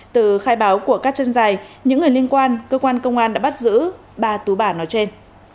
từ khai báo của các chân dài những người liên quan cơ quan công an đã bắt giữ ba tú bà nói trên